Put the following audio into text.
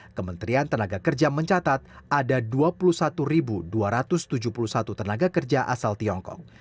pada november dua ribu enam belas kementerian tenaga kerja mencatat ada dua puluh satu dua ratus tujuh puluh satu tenaga kerja asal tiongkok